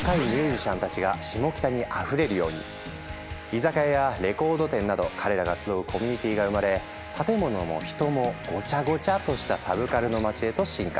その後居酒屋やレコード店など彼らが集うコミュニティーが生まれ建物も人も「ごちゃごちゃ」としたサブカルの街へと進化。